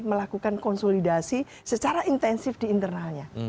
melakukan konsolidasi secara intensif di internalnya